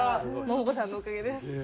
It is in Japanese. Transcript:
モモコさんのおかげです。